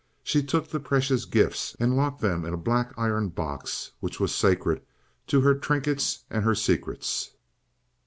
She took the precious gifts and locked them in a black iron box which was sacred to her trinkets and her secrets.